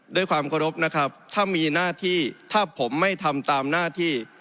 ด้วยความเคารพนะครับถ้ามีหน้าที่ถ้าผมไม่ทำตามหน้าที่